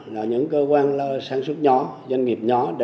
là những cơ quan sản xuất nhóm doanh nghiệp nhỏ